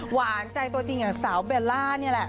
หวานใจตัวจริงอย่างสาวเบลล่านี่แหละ